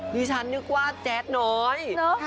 ดิฉันนึกว่าแจ๊ดน้อย